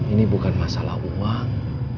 ini bukan masalah uang